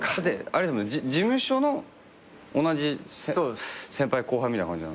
事務所の同じ先輩後輩みたいな感じ？